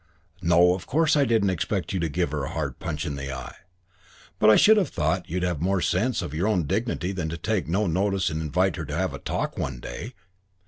"No, of course I didn't expect you to give her a hard punch in the eye. But I should have thought you'd have had more sense of your own dignity than to take no notice and invite her to have a talk one day."